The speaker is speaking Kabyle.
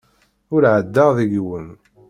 Ur ɛeddaɣ deg-wen.